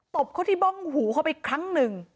บเขาที่บ้องหูเข้าไปครั้งหนึ่ง